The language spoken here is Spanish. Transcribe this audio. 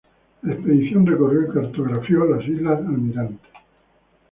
La expedición recorrió y cartografió las islas Almirante.